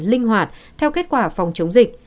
linh hoạt theo kết quả phòng chống dịch